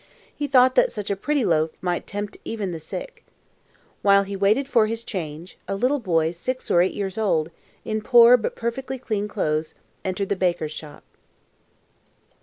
He thought that such a pretty loaf might tempt even the sick. While he waited for his change, a little boy six or eight years old, in poor but perfectly clean clothes, entered the baker's shop.